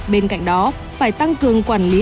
bên cạnh đó phải tăng cường quản lý